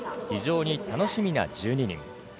非常に楽しみな１２人。